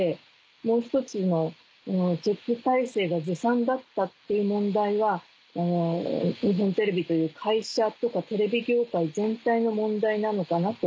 もう一つのチェック体制がずさんだったっていう問題は日本テレビという会社とかテレビ業界全体の問題なのかなと。